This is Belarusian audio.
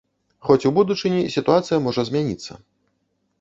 Хоць у будучыні сітуацыя можа змяніцца.